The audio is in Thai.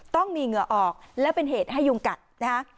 ต้องมีเหงื่อออกและเป็นเหตุให้ยุงกัดนะฮะ